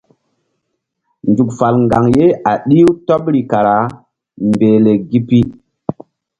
Nzuk fal ŋgaŋ ye a ɗih-u tɔɓri kara mbehle gi pi.